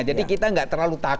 jadi kita nggak terlalu takut ya